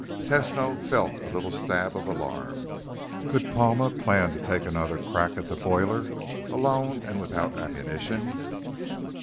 Tesno felt a little stab of alarm. Could Palma plan to take another crack at the boiler? Alone and without ammunition?